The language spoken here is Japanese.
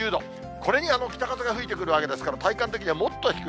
これに北風が吹いてくるわけですから、体感的にはもっと低い。